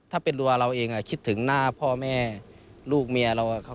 ถ้าเป็นรัวเราเองคิดถึงหน้าพ่อแม่ลูกเมียเรา